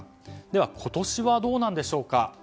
では今年はどうなんでしょうか。